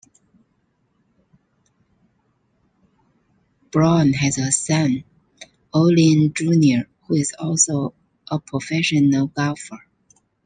Browne has a son, Olin Junior who is also a professional golfer.